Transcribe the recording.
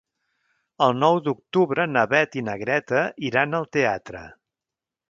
El nou d'octubre na Beth i na Greta iran al teatre.